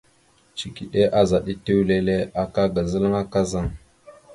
Cikiɗe azaɗ etew lele aka ga zalŋa kazaŋ.